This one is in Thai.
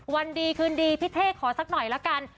วันดีคืนดีพี่เท่ขอสักหน่อยละกัน